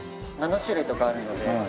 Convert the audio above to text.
７種類とかあるので。